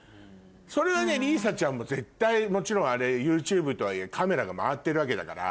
それはね里依紗ちゃんも絶対もちろんあれＹｏｕＴｕｂｅとはいえカメラが回ってるわけだから。